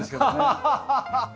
ハハハハッ！